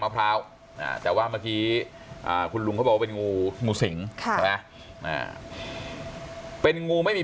มะพร้าวแต่ว่าเมื่อที่คุณลุงบอกว่าเป็นงูสิงเป็นงูไม่มี